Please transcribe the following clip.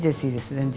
全然。